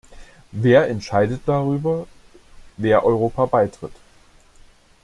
Wer entscheidet darüber, wer Europa beitritt?